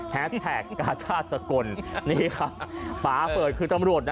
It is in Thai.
แท็กกาชาติสกลนี่ค่ะฝาเปิดคือตำรวจนะ